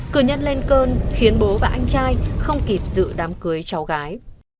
cử nhân lên cơn khiến bố và anh trai không kịp dự đám cưới cháu gái